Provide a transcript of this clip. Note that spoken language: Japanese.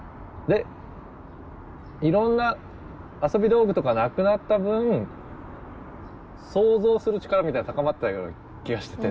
いろんな遊び道具とかなくなった分創造する力みたいなのが高まったような気がしてて。